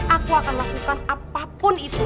aku akan lakukan apapun itu